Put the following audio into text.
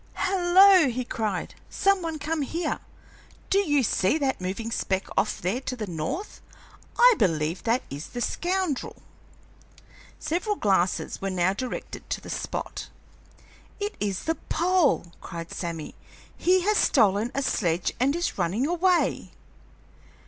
"Hello!" he cried. "Someone come here! Do you see that moving speck off there to the north? I believe that is the scoundrel." Several glasses were now directed to the spot. "It is the Pole!" cried Sammy. "He has stolen a sledge and is running away!"